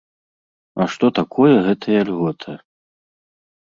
А што такое гэтая льгота?